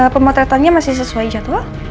pemotretannya masih sesuai jadwal